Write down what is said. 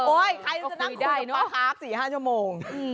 โอ้ยใครจะนั่งคุยกับปะครับ๔๕ชั่วโมง